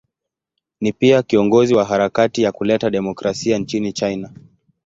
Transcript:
Ni pia kiongozi wa harakati ya kuleta demokrasia nchini China.